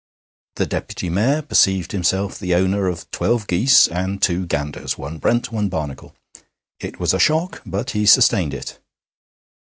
The Deputy Mayor perceived himself the owner of twelve geese and two ganders one Brent, one Barnacle. It was a shock, but he sustained it.